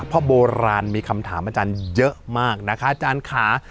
เพราะโบราณมีคำถามอาจารย์เยอะมากนะคะอาจารย์ค่ะ